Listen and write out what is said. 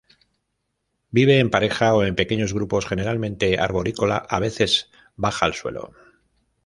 Vive en pareja o en pequeños grupos, generalmente arborícola, a veces baja al suelo.